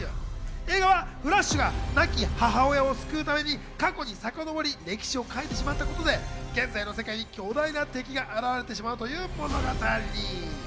映画はフラッシュが亡き母親を救うために過去にさかのぼり、歴史を変えてしまったことで、現在の世界に強大な敵が現れてしまうという物語。